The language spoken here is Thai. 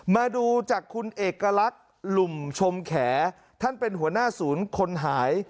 มาดูจากคุณเอกลักษณ์หลุมชมแขท่านเป็นหัวหน้าศูนย์คนหาย